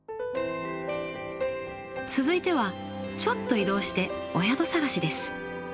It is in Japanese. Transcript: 続いてはちょっと移動してお宿探しです。